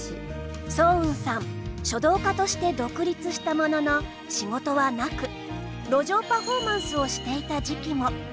双雲さん書道家として独立したものの仕事はなく路上パフォーマンスをしていた時期も。